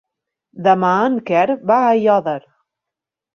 Demà en Quer va a Aiòder.